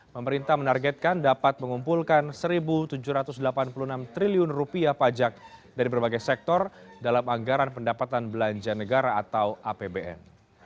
pemerintah menargetkan dapat mengumpulkan rp satu tujuh ratus delapan puluh enam triliun pajak dari berbagai sektor dalam anggaran pendapatan belanja negara atau apbn